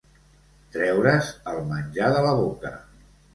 Treure's el menjar de la boca.